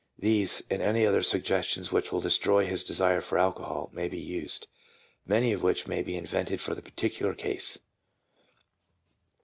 These, and any other suggestions which will destroy his desire for alcohol, may be used, many of which must be invented for the particular case.